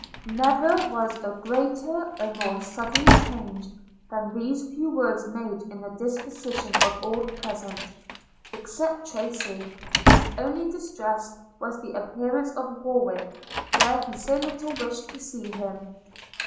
Never was a greater, a more sudden change, than these few words made in the dispositions of all present – except Tracy, whose only distress was the appearance of Warwick, where he so little wished to see him.